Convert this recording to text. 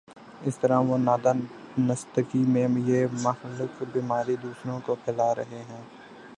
اس طرح وہ نادانستگی میں یہ مہلک بیماری دوسروں کو پھیلا رہے ہیں۔